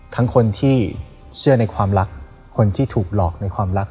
ทั้งคนที่เชื่อในความรักคนที่ถูกหลอกในความรัก